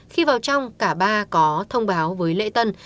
khi vào trong cả ba có thông báo với lễ tân